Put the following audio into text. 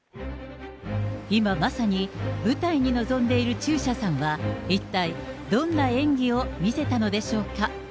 今、まさに舞台に臨んでいる中車さんは、一体どんな演技を見せたのでしょうか。